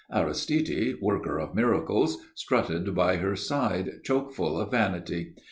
Aristide, worker of miracles, strutted by her side choke full of vanity.